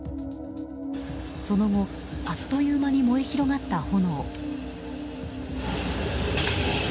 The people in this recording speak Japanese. その後、あっという間に燃え広がった炎。